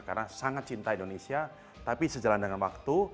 karena sangat cinta indonesia tapi sejalan dengan waktu